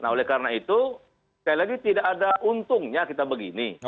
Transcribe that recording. nah oleh karena itu sekali lagi tidak ada untungnya kita begini